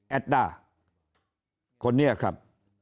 ด้าคนนี้ครับ